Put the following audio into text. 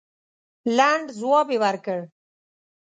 لنډ جواب یې ورکړ.